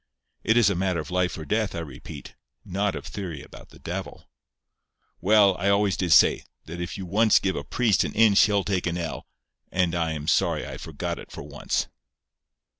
It is a matter of life or death, I repeat, not of theory about the devil." "Well, I always did say, that if you once give a priest an inch he'll take an ell; and I am sorry I forgot it for once."